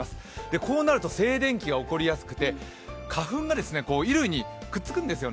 こうなると静電気が起こりやすくて花粉が衣類にくっつくんですよね。